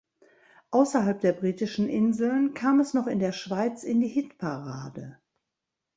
Außerhalb der britischen Inseln kam es noch in der Schweiz in die Hitparade.